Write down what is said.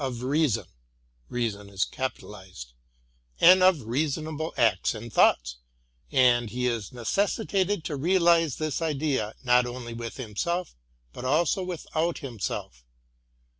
29 There exists in man the idea of Reason, and of reasonable acts and thoughts, and he is necessitated to realize this idea not only within himself but also without himself.